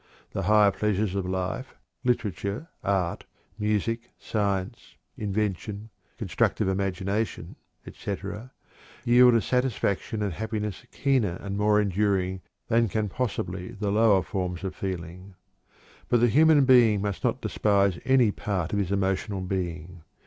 The higher pleasures of life, literature, art, music, science, invention, constructive imagination, etc., yield a satisfaction and happiness keener and more enduring than can possibly the lower forms of feeling. But the human being must not despise any part of his emotional being.